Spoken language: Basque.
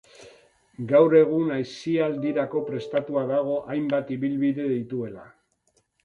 Gaur egun, aisialdirako prestatua dago, hainbat ibilbide dituela.